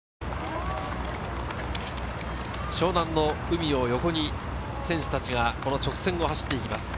湘南の海を横に、選手たちがこの直線を走ってきます。